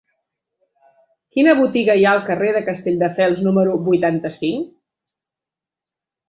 Quina botiga hi ha al carrer de Castelldefels número vuitanta-cinc?